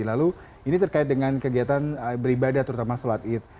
lalu ini terkait dengan kegiatan beribadah terutama sholat id